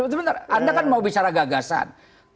sebentar anda kan mau bicara gagasan